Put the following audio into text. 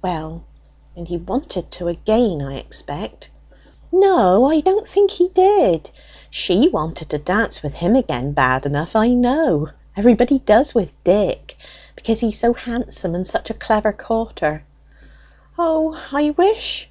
"Well, and he wanted to again, I expect." "No; I don't think he did. She wanted to dance with him again bad enough, I know. Everybody does with Dick, because he's so handsome and such a clever courter." "O, I wish!